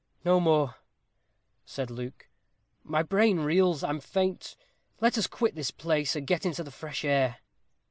"No more," said Luke; "my brain reels. I am faint. Let us quit this place, and get into the fresh air."